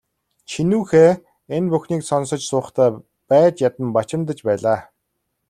Чинүүхэй энэ бүхнийг сонсож суухдаа байж ядан бачимдаж байлаа.